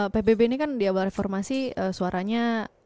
pbb ini kan di awal reformasi suaranya